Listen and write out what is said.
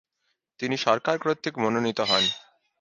তিনি সরকার কর্তৃক মনোনিত হন।